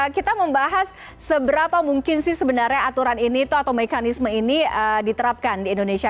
kita membahas seberapa mungkin sih sebenarnya aturan ini atau mekanisme ini diterapkan di indonesia